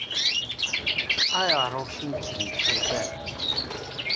Ayɣer ur ten-id-temmektamt ara?